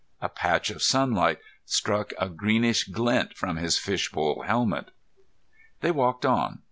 A patch of sunlight struck a greenish glint from his fishbowl helmet. They walked on.